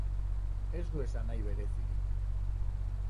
Ez du esanahi berezirik.